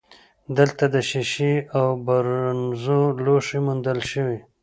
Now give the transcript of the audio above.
دلته د شیشې او برونزو لوښي موندل شوي